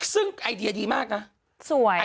ซึ่งไอเดียดีมากนะสวย